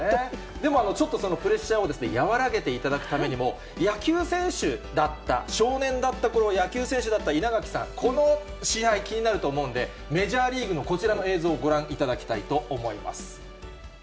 でも、ちょっとそのプレッシャーを和らげていただくためにも、野球選手だった、少年だったころ、野球選手だった稲垣さん、この試合、気になると思うんで、メジャーリーグのこちらの映像をご覧いただきたいと思います。